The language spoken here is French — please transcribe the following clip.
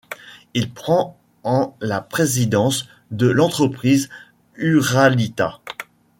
Il prend en la présidence de l'entreprise Uralita.